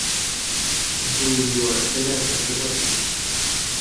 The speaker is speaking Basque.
Ez dugu dirua atzera eskatzeko asmorik.